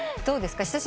どうですか？